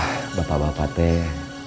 ah bapak bapak teh